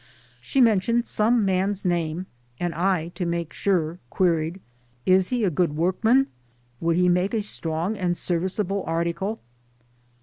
She mentioned some man's name ; and I, to make sure, queried 1 : "Is he a good workman? would he make a strong and service able article?